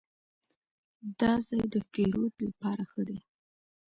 دا ځای د پیرود لپاره ښه دی.